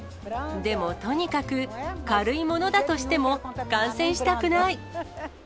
でもとにかく、軽いものだとしても感染したくない。